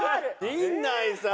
陣内さん！